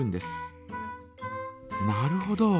なるほど。